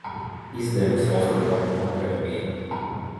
I zde musela studovat mimo Akademii.